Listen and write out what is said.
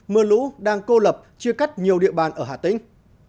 mưa lũ đang cô lập chia cắt nhiều địa bàn ở hà tĩnh